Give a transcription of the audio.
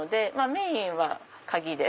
メインは鍵で。